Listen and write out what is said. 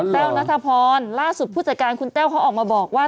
แต้วนัทพรล่าสุดผู้จัดการคุณแต้วเขาออกมาบอกว่า